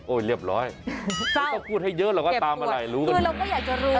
โอ้ยเรียบร้อยเจ้าก็พูดให้เยอะแล้วว่าตามอะไรเรียบร้อยคือเราก็อยากจะรู้